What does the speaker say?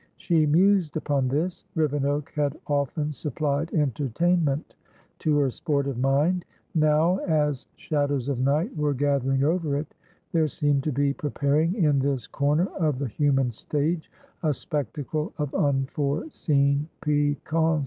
She mused upon this. Rivenoak had often supplied entertainment to her sportive mind; now, as shadows of night were gathering over it, there seemed to be preparing in this corner of the human stage a spectacle of unforeseen piquancy.